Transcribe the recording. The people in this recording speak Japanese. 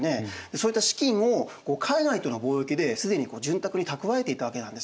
そういった資金を海外との貿易で既に潤沢に蓄えていたわけなんですね。